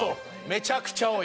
めちゃくちゃ多いこれ。